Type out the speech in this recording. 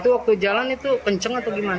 waktu jalan itu kenceng atau gimana